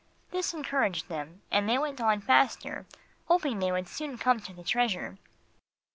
This encouraged them, and they went on faster, hoping they would soon come to the treasure.